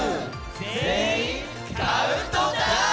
全員、カウントダウン！